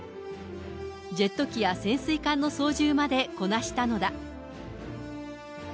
ジェット機や潜水艦の操縦までこなしたのだ。